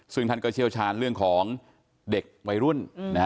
ซึ่งท่านก็เชี่ยวชาญเรื่องของเด็กวัยรุ่น